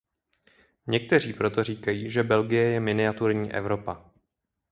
Někteří proto říkají, že Belgie je miniaturní Evropa.